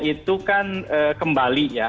itu kan kembali ya